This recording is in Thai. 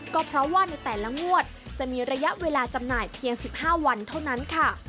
ก็เพราะว่าในแต่ละงวดจะมีระยะเวลาจำหน่ายเพียง๑๕วันเท่านั้นค่ะ